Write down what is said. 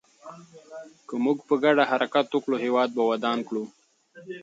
که موږ په ګډه حرکت وکړو، هېواد به ودان کړو.